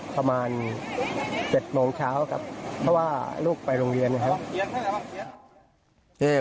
ประมาณ๗โมงเช้าครับเพราะว่าลูกไปโรงเรียนนะครับ